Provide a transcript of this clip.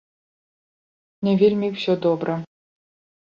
Не вельмі ўсё добра.